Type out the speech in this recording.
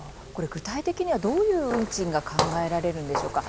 具体的には、どういう運賃が考えられるんでしょうか？